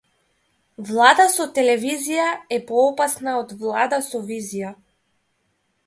Влада со телевизија е поопасна од влада со визија.